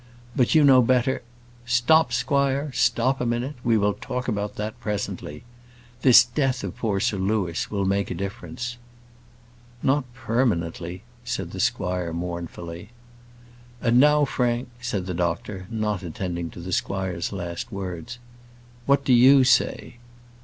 But you know better " "Stop, squire; stop a minute. We will talk about that presently. This death of poor Sir Louis will make a difference." "Not permanently," said the squire mournfully. "And now, Frank," said the doctor, not attending to the squire's last words, "what do you say?"